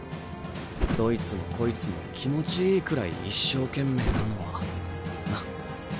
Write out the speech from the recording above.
どいつもこいつも気持ちいいくらい一生懸命なのはな。